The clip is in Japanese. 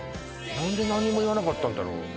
何で何も言わなかったんだろう